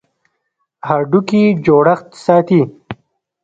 هډوکي جوړښت ساتي.